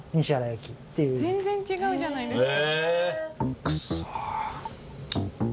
全然違うじゃないですか。